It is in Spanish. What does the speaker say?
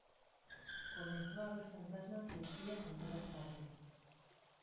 Comenzó a ver fantasmas y espías en todas partes.